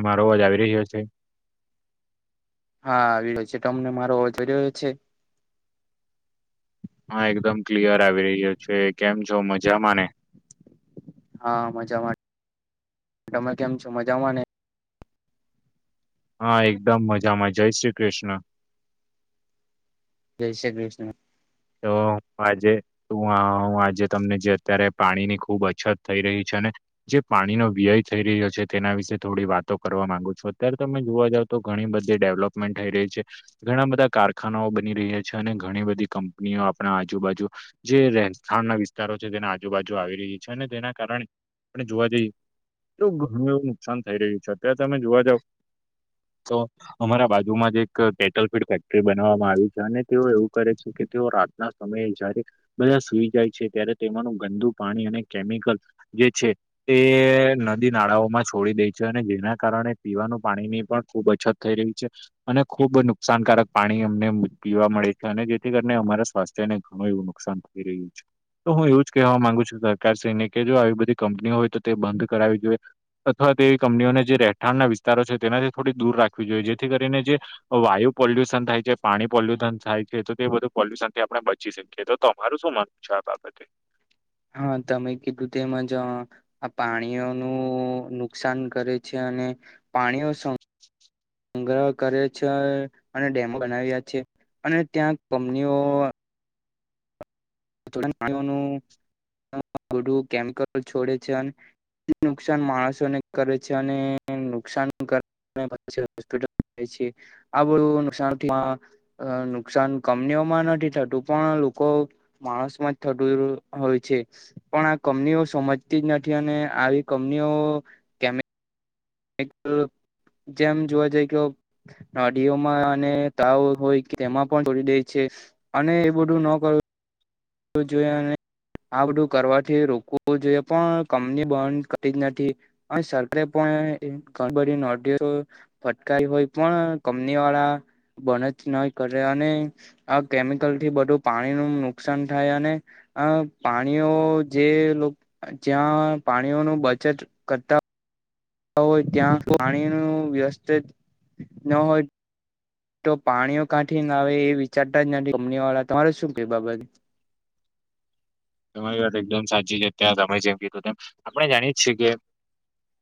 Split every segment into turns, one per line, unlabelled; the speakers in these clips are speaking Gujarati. એમાં રોવાજ આવી રહ્યો હશે.
હા આવી રહ્યો છે તમને મારો ઓ જો રહ્યો છે.
હા એકદમ ક્લિયર આવી રહ્યો છે કેમ છો મજામાંને.
હા મજામાં તમે કેમ છો મજામાં ને.
હા એકદમ મજામાં જય શ્રી કૃષ્ણ.
જય શ્રી કૃષ્ણ.
તો આજે તો આજે તમને જે અત્યારે પાણી ની ખુબ અછત થઈ રહી છે ને જે પાણીનો વ્યય થઈ રહ્યો છે તેના વિશે થોડી વાતો કરવા માંગુ છું અત્યારે તમે જોવા જાવ તો ઘણી બધી ડેવલોપમેન્ટ થઈ રહી છે ઘણા બધા કારખાનાઓ બની રહ્યા છે અને ઘણી બધી કંપ નિયો આપણા આજુ-બાજુ જે રહેથાણના વિસ્તારો છે, તેના આજુ-બાજુ આવી રહી છે. અને તેના કારણે આપણે જોવા જઈએ તો ઘણું એવું નુકસાન થઈ રહ્યું છે. અત્યારે તમે જોવા જાવ તો અમારા બાજુમાં જ એક કેટલ ફીડ ફેક્ટરી બનાવામાં આવી છે, અને તેઓ એવું કરે છે કે તેઓ રાતના સમયે જારેક બધા સુઈ જાય છે. ત્યારે તેમાંનું ગંદુ પાણી અને કેમિકલ જે છે તે નદી નાળાઓમાં છોડી દે છે. અને જેના કારણે પીવાનું પાણીની પણ ખુબ અછત થઈ રહ્યું છે. અને ખુબ નુકસાનકારક પાણી અમને પીવા મળે છે. અને જેથી કરી ને અમારા સ્વાસ્થ્ય ને ઘણું એવું નુકસાન થઈ રહ્યું છે. તો હું એવું જ કહેવા માંગુ છું. સરકાર શ્રીને કે, જો આવી બધી કંપનીઓ હોય તો તે બંધ કરાવવી જોઈએ. અથવા એવી કંપનીઓને જે રહેઠાણના વિસ્તારો છે તેનાથી થોડી દૂર રાખવી જોઈએ. જેથી કરીને જે વાયુ પોલ્યુશન થાય છે. પાણી પોલ્યુથન થાય છે. તો તે બધું પોલ્યુશન થી આપડ બચી શકીએ. તો તમારું શું માનવું છે આ બાબતે?
હા, તમે કીધું તેમજ આ પાણીઓનું નુકસાન કરે છે, અને પાણીઓ સ સંગ્રહ કરે છે. અને ડેમો બનાવ્યા છે. અને ત્યાં કંપનીઓ તુરંત પ્રાણીઓનું બધું કેમિકલ છોડે છે. અને [unintelligible] નુકસાન માણસોને કરે છે. અને નુકસાન કર [unintelligible] આ બધું નુકસાનમાં અ નુકસાન કંપનીઓમાં નથી થતું, પણ લોકો માણસમાં જ થતુ હોય છે. પણ આ કંપનીઓ સમજતી જ નથી. અને આવી કંપનીઓ એક ત જેમ જોવા જઈ તો નડીઓમાં અને તાવ હોય તેમાં પણ તોડી દે છે. અને એ બધું ન કર ઉજોયે અને આ બધું કરવાથી રોકવું જોઈએ. પણ કંપની બંધ કરી જ નથી. અને સરકારે પણ એ ખડબડી નોધેતો ફટકારી હોય. પણ કંપની વાળા બન જ નઈ કરે. અને આ કેમિકલ થી બધું પાણીનુ નુકસાન થાય અને અ પાણીઓ જે લોક, જ્યાં પાણીઓનું બચત કરતા હોય. ત્યાં પાણી નું વ્યસ્તિત ન હોય તો પાણીઓ કાંઠી ના આવે. એ વિચારતા જ નથી કમની વાળા. તમારે શું કે બાબતે?
તમારી વાત એકદમ સાચી છે. ત્યાં તમે જેમ કીધું તેમ. આપણે જાણીએ છીએ કે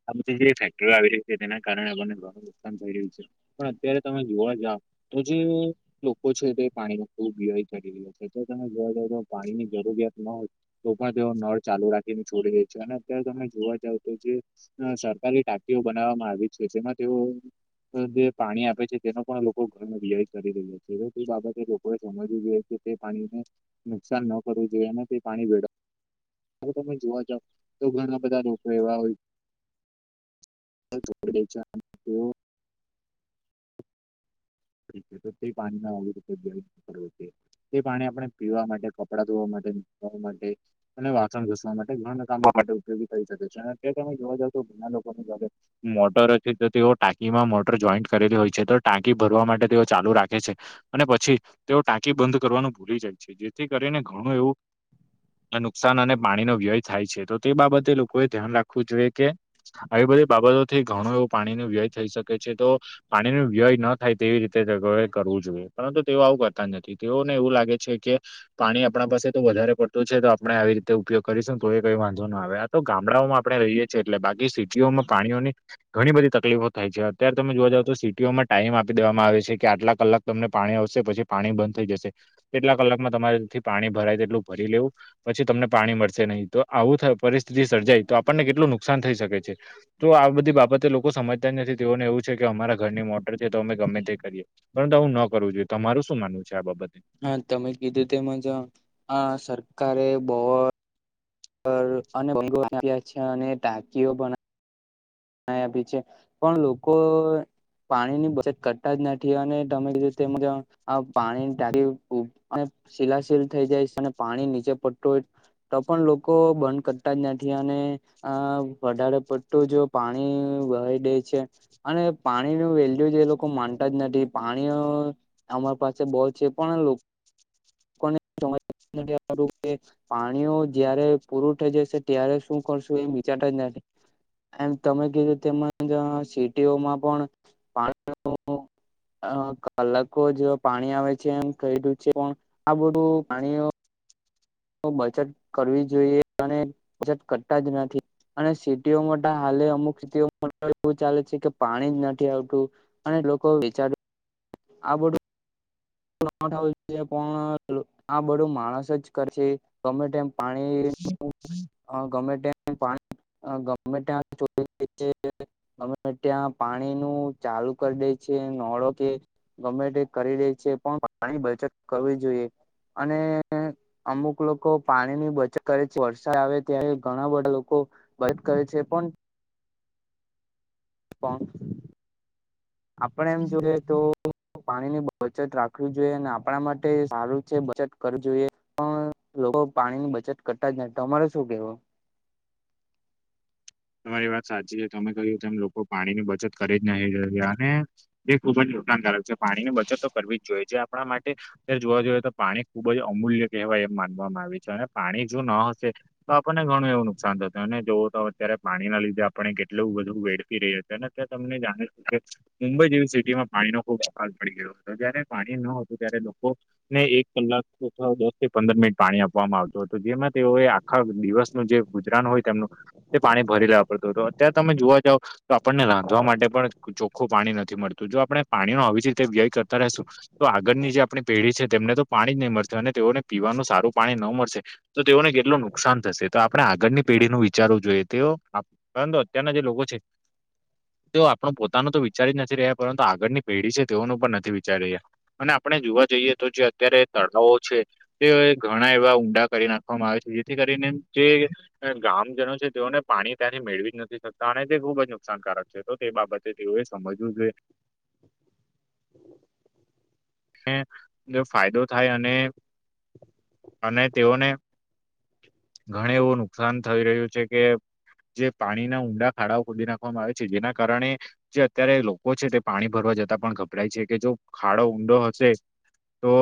આ બધી જે ફેક્ટરીઓ આવી રહી છે, તેના કારણે [unintelligible] નુકસાન થઈ રહ્યું છે. પણ અત્યારે તમે જોવા જાઓ, તો જે લોકો છે તે પાણીનો ખુબ વ્યય કરી રહ્યા છે. એતો તમે જોવા જાવ તો, પાણી ની જરૂરિયાત ન હોય, તો પણ તેઓ નળ ચાલુ રાખીને છોડી દે છે. અને અત્યારે તમે જોવા જાવ તો જે સરકારી ટાંકીઓ બનાવવામાં આવી છે. જેમાં તેઓ જે પાણી આપે છે. તેનો પણ લોકો ઘનો વ્યય કરી રહ્યા છે. હવે તે બાબતે લોકોએ સમજવું જોઈએ તો તે પાણીને નુકસાન ન કરવું જોઈએ. અને પાણી વેડફ અને તમે જોવા જાવ તો, ઘણા બધા રોગો એવા હોય [unintelligible] તો તે પાણીના આવી રીતે વ્યય ન કરવો તે પાણી આપણે પીવા માટે, કપડાં ધોવા માટે [unintelligible] માટે અને વાસણ ઘસવા માટે ઘણા કામો માટે ઉપયોગી થઈ શકે છે. અને તે તમે જોવા જાવ તો ઘણા લોકોને ઘરે મોટર હતી તો તેઓ ટાંકીમાં મોટર જોઈન્ટ કરેલી હોય છે. તો ટાંકી ભરવા માટે તેઓ ચાલુ રાખે છે. અને પછી તેઓ ટાંકી બંધ કરવાનું ભૂલી જાય છે. જેથી કરીને ઘણું એવું નુકસાન અને પાણીનો વ્યય થાય છે. તો તે બાબતે લોકોએ ધ્યાન રાખવું જોઈએ કે આવી બધી બાબતો થી ઘણું એવું પાણી નું વ્યય થઈ શકે છે તો પાણી નું વ્યય ન થાય તેવી રીતે [unintelligible] કરવું જોઈએ પરંતુ તેઓ આવું કરતા નથી તેઓને એવું લાગે છે કે પાણી આપણા પાસે તો વધારે પડતું છે તો આપણેે આવી રીતે ઉપયોગ કરીશું તો એ કઈ વાંધો ન આવે. તો ગામડાઓમાં આપણે રહીએ છીએ એટલે બાકી સિટીઓમાં પાણીઓની ઘણી બધી તકલીફો થાય છે અત્યારે તમે જોવા જાવ તો સિટીઓમાં ટાઈમ આ પી દેવામાં આવે છે કે આટલા કલાક તમને પાણી આવશે પછી પાણી બંધ થઈ જશે. એટલા કલાકમાં તમારેથી પાણી ભરાય તેટલું ભરી લેવું. પછી તમને પાણી મળશે નહી તો આવું પરિસ્થિતિ સર્જાય તો આપણને કેટલું નુકસાન થઈ શકે છે. તો આ બધી બાબતે લોકો સમજતા નથી તેઓને એવું છે કે અમારા ઘરની મોટર છે તો અમે ગમે તે કરીએ પરંતુ આવું ન કરવું જોઈએ તમારું શું માનવું છે આ બાબતે
હા તમે કીધું તેમાંજ આ સરકારે બોર અને [unintelligible] છે અને ટાંકીઓ પણ બનાય આપી છે પણ લોકો પાણી ની બચત કરતા જ નથી અને તમે કીધું તે મુજબ આ પાણી ટાકી [unintelligible] શિલાશિલ થઈ જાય છે અને પાણી નીચે પડતું હોય તો પણ લોકો બંધ કરતા જ નથી અને અ વધારે પડતું જો પાણી વહાઈ દે છે અને પાણી નું વેલ્યુ જે એ લોકો માનતા જ નથી પાણી અમાર પાસે બોર છે પણ લોકો ને સમજવમાં નથી આવતું કે પાણીઓ જયારે પૂરું થઈ જશે ત્યારે શું કરશું એ વિચારતા જ નથી. એમ તમે કીધું તેમજ સીટીઓમાં પણ પાણીનું અ કલાકો જ પાણી આવે છે એમ [unintelligible] છે પણ આ બધું પાણીનું બચત કરવી જોઈએ અને બચત કરતા જ નથી અને સિટીઓ માતો હાલે અમુક સિટીઓ માતો એવું ચાલે છે કે પાણી જ નથી આવતું. અને લોકો વિચાર આ બધું [unintelligible] પણ આ બધું માણસ જ કરશે. ગમે તેમ ટાઈમ પાણી [unintelligible] ગમે તેમ પાણી અ ગમે ત્યાં [unintelligible] ગમે ત્યાં પાણી નું ચાલુ કરી દે છે નળો કે ગમે તે કરી દે છે પણ પાણી બચત કરવી જોઈએ અને અમુક લોકો પાણી ની બચત કરે છે વરસાદ આવે ત્યારે ઘણા બધા લોકો વાત કરે છે પણ આપણે એમ જોયએ તો પાણી ની બચત રાખવી જોઈએ અને આપણા માટે સારું છે બચત કરવી જોઈએ. પણ લોકો પાણીની બચત કરતા જ તમારે શું કેવું?
તમારી વાત સાચી છે તમે કહ્યું કે એમ લોકો પાણીની બચત કરી જ નહી રહને. એ ખુબ જ નુકાન ધારક છે પાણી ની બચત કરવી જ જોઈએ જે આપણા માટે જોવા જઈએ તો પાણી ખુબ જ અમૂલ્ય કહેવાય એમ માનવામાં આવે છે અને પાણી જો ન હશે. તો આપણને ઘણું એવું નુકસાન થતુંને જોવું તો અત્યારે. પાણી ના લીધે આપણે કેટલું બધું વેડફી રહી છે ત્યાં તમને જાણીશું કે મુંબઈ જેવી સિટીમાં પાણીનો ખૂબ આકારશ પડી ગયો હતો જયારે પાણી ન હતું ત્યારે લોકો. ને એક કલાક અથવા દસ થી પંદર મિનિટ પાણી આપવામાં આવતું હત જેમાં તેઓએ આખા દિવસનું જે ગુજરાન હોય તેમનું તે પાણી ભરી લેવા પડતું હત અત્યારે તમે જોવા જાવ તો આપણને રાંધવા માટે પણ ચોખ્ખું પાણી નથી મળતું જો આપણે પાણી નો આવી જ રીતે વ્યય કરતા રશું. તો આગળની જે આપણી પેઢી છે તેમને તો પાણી જ નહી મળશે અને તેઓને પીવાનું સારું પાણી ન મળશે. તો તેઓને કેટલું નુકસાન થશે તો આપણે આગળની પેઢીનું વિચારવું જોઈએ. તેઓ પરંતુ અત્યારના જે લોકો છે. તેઓ આપણું પોતાનું તો વિચારી જ નથી રહ્યા પરંતુ આગળની પેઢી છે તેઓનું પણ નથી વિચારી રહ્યા. અને આપણે જોવા જઈએ તો જે અત્યારે તળાવો છે. તે ઘણા એવા ઊંડા કરી નાખવામાં આવે છે જેથી કરીને જે ગામજનો છે તેઓને પાણી ત્યાંથી મેળવી જ નથી શકતા અને તે ખુબ જ નુકસાનકારક છે તો તે બાબતે તેઓએ સમજવું જોઈએ. ફાયદો થાય અને, અને તેઓને ઘણું એવું નુકસાન થઈ રહ્યું છે કે જે પાણીના ઊંડા ખાડાઓ ખોદી નાખવામાં આવે છે જેના કારણે. જે અત્યારે લોકો છે તે પાણી ભરવા જતા પણ ગભરાય છે કે જો ખાડો ઊંડો હ શે, તો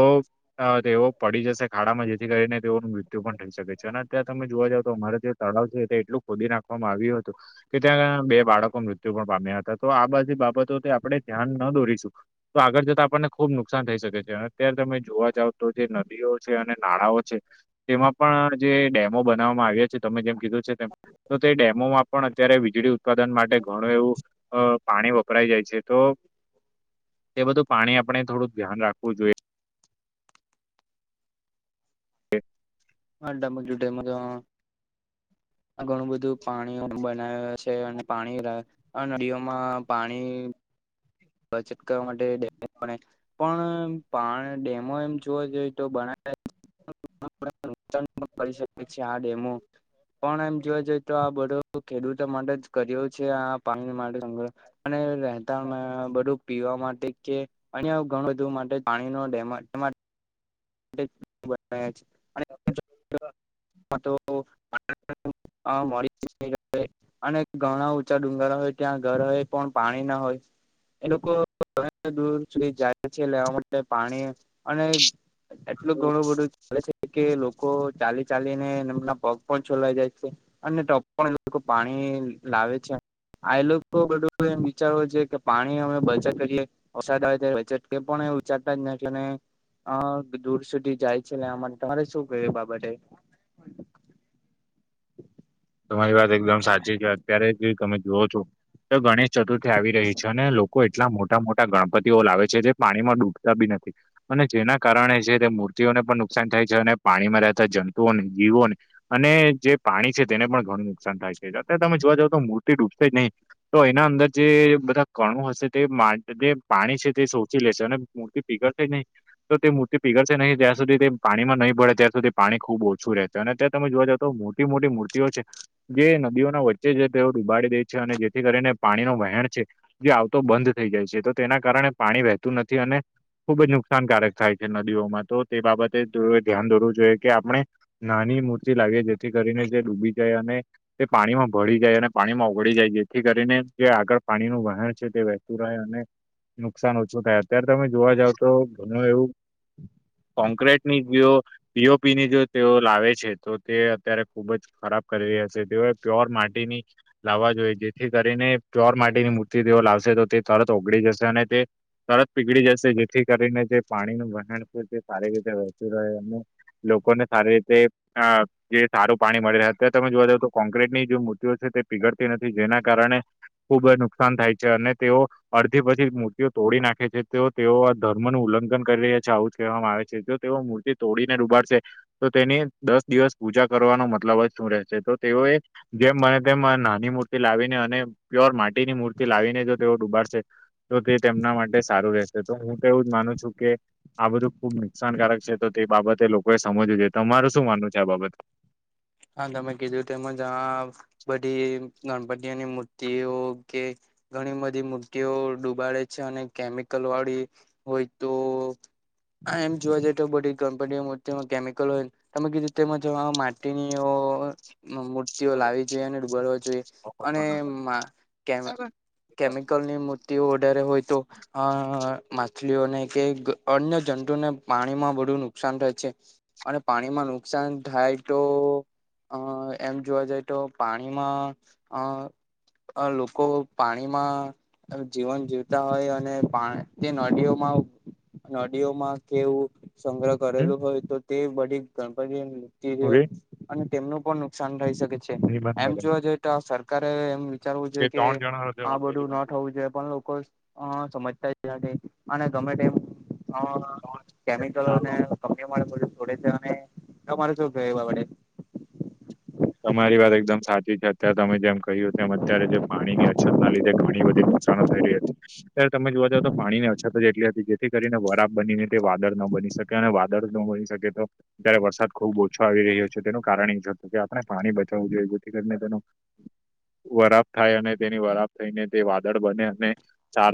અ તેઓ પડી જશે ખાડામાં જેથી કરીને તેઓનું મૃત્યુ પણ થઈ શકે છે અને અત્યારે તમે જોવા જાવ તો અમારે ત્યાં તળાવ છે તે એટલું ખોદી નાખવામાં આવ્યું હતું. કે ત્યાં બે બાળકો મૃત્યુ પણ પામ્યા હતા તો આ બધી બાબતો આપણે ધ્યાન ન દોરીશું. તો આગળ જતા આપણને ખુબ નુક સાન થઈ શકે છે અને અત્યારે તમે જોવા જાવ તો જે નદીઓ છે અને નાળાઓ છે. તેમાં પણ જે ડેમો બનાવવામાં આવ્યા છે તમે જેમ કીધું છે તેમ. તો તે ડેમોમાં પણ અત્યારે વીજળી ઉત્પાદન માટે ઘણું એવું અ પાણી વપરાઈ જાય છે તો એ બધું પાણી આપણે થોડું ધ્યાન રાખવું જોઈએ.
[unintelligible] ઘણું બધું પાણી બનાવે છે અને પાણી [unintelligible] આ નદીઓમાં પાણી બચત કરવા માટે ડેમ [unintelligible] પણ પાણી ડેમો એમ જોવા જોઈએ તો બનાયા [unintelligible] [unintelligible] કરી શકે છે આ ડેમો પણ એમ જોવા જઈએ તો આ બધો ખેડૂતો માટે જ કર્યો છે આ પાણી માટે સંગ્રહ અને રહેેતાણમાં બધું પીવા માટે કે, અન્ય ઘણું બધું માટે પાણીના ડેમ એટલે જ બનાયા છે [unintelligible] અને ઘણા ઊંચા ડુંગળ હોય ત્યાં ઘર હોય પણ પાણી ના હોય એ લોકો ઘણા દૂર સુધી જાય છે લેવા માટે પાણી અને એટલું ઘણું બધું ચાલે છે કે લોકો ચાલી ચાલીને એમના પગ પણ છોલાઈ જાય છે અને તો પણ એ લોકો પાણી લાવે છે આએ લોકો બધું એમ વિચારવો જોઈએ કે પાણી અમે બચત કરીએે વરસાદ આવે ત્યારે બચત કરીએ પણ એવું વિચારતાં જ નથી અને અ દૂર સુધી જાય છે લેવા માટે તમારે શું કેવુ એ બાબતે [inaudible]
તમારી વાત એકદમ સાચી કે અત્યારે જે તમે જૂઓ છો તો ગણેશ ચતુર્થી આવી રહી છે ને લોકો એટ ટલા મોટા મોટા ગણપતિઓ લાવે છે જે પાણીમાં ડૂબતા બી નથી અને જેના કારણે છે તે મૂર્તિઓને પણ નુકસાન થાય છે અને પાણીમાં રહેતા જંતુઓને જીવોને અને જે પાણી છે તેને પણ ઘણું નુકસાન થાય છે અત્યારે તમે જોવા જાવ તો મૂર્તિ ડૂબશે જ નહીં તો એના અંદર જે બધા કણું હશે તે પાણી છે તે સોચી લેશે અને મૂર્તિ પીગળ છે નહીં તો તે મૂર્તિ પીગળ છે નહીં જ્યાં સુધી તે પાણીમાં નહીં ભડે ત્યાં સુધી પાણી ખુબ ઓછું રહે છે અને ત્યાં તમે જોવા જાવ તો મોટી મોટી મૂર તીઓ છે જે નદીઓના વચ્ચે છે તેઓ ડુબાડી દે છે અને જેથી કરીને પાણીનો વહેણ છે જે આવતો બંધ થઈ જાય છે તો તેના કારણે પાણી વહેતું નથી અને ખુબ જ નુકસાનકારક થાય છે નદીઓમાં તો તે બાબતે તેઓએ ધ્યાન દોરવું જોઈએ કે આપણે નાની મૂર્તિ લાવીએ જેથી કરીને જે ડૂબી જાય અને તે પાણીમાં ભળી જાય અને પાણીમાં ઓગળી જાય જેથી કરીને જે આગળ પાણીનું વહેણ છે તે વહે [inaudible] અને નુકસાન ઓછું થાય અત્યારે તમે જોવા જાવ તો ઘણું એવું કોન્ક્રટની જે પી ઓ પીની જો તેઓ લાવે છે તો તે અત્યારે ખુબ જ ખરાબ કરી રહ્યા છે તેઓએ પ્યોર માટીની લાવવા જોઈએ જેથી કરીને પ્યોર માટીની મૂર્તિ તેઓ લાવશે તો તે તરત ઓગળી જશે અને તે તરત પીગળી જશે જેથી કરીને જે પાણીનું વહેણ છે તે સારી રીતે વહેતું રહે અને લોકોને સારી રીતે અ જે સારું પાણી મળી રહે અત્યારે તમે જોવા જઓ તો કોન્ક્રીટની જે મૂર્તિઓ છે તે પીગળતી નથી જેના કારણે ખુબ જ નુકસાન થાય છે અને તેઓ અડધી પછી મૂર્તિઓ તોડી નાખે છે તો તેઓ ધર્મનું ઉલ્લંઘન કરી રહ્યા છે આવું જ કહેવામાં આવે છે જો તેઓ મૂર્તિ તોડીને ડૂબાડશે તો તેની દસ દિવસ પૂજા કરવાનો મતલબ જ શું રહેશે તો તેઓ એ જેમ બને તેમ નાની મૂર્તિ લાવીને અને પ્યોર માટીની મૂર્તિ લાવીને જો તેઓ ડૂબાડશે તો તે તેમના માટે સારું રહેશે તો હું તો એવું જ માનું છું કે આ બધું ખુબ નુકસાનકારક છે તો તે બાબતે લોકોએ સમજવું જોઈએ તમારે શું માનવું છે આ બાબત?
હા તમે કીધું તેમજ આ બધી ગણપતિઓની મૂર્તિઓ કે ઘણી બધી મૂર્તિઓ ડૂબાડે છે અને કેમિકલ વાળી હોય તો આ એમ જોવા જઈએ તો બધી કંપનીઓ મર્તિમાં કેમિકલ હોય તમે કીધું તેમજ આ મા ટીની ઓ મુ તીઓ લાવી જોઈએ અને ડૂબાવા જોઈએ અને મા કેમ કેમિકલની મૂર્તિઓ વધારે હોય તો હા અ માછલીઓને કે અન્ય જંતુઓને પાણીમાં બધુ નુકસાન થાય છે. અને પાણીમાં નુકસાન થાય તો હા અ એમ જોવા જાય તો પાણીમાં અ અ લોકો પાણીમાં જીવન જીવતા હોય અને પાણી તે નદીઓમાં નદીઓમાં કેવું સંગ્રહ
હમ
કરેલું હોય તો તે બધી ગણપતિ ડૂપતી
હવે
અને તેમનું પણ નુકસાન થઈ શકે છે.
નિબંધ
એમ
લગન.
જોવા જોઈએ તો સરકારે એમ વિચારવું
જે
જોઈએ કે
ત્રણ જણા હશે
આ બધું ન
બાકી.
થવું જોઈએ પણ લોકો અ સમજતા નથી અને ગમે તેમ
ત્રણ
કેમિકલોને કમે મળે થોડે છે અને તમારે શું કેવુ હવે?
તમારી વાત એકદમ સાચી છે અત્યારે તમે જેમ કહ્યું તેમ અત્યારે જે પાણી ની અછત ના લીધે ઘણી બધી નુકસાાનો થઈ રહી હતી ત્યારે તમે જોવા જાવઓ તો પાણીની અછત જ એટલી હતી જેથી કરીને વરાબ બનીને તે વાદળ ન બની શકે અને વાત ન મળી શકે તો ત્યારે વરસાદ ખુબ ઓછો આવી રહ્યો છે તેનું કારણ એ કે આપણે પાણી બચાવવું જોઈએ જેથી કરીને તેનો વરાપ થાય અને તેની વરાપ થઈને તે વાદળ બને અને ચાર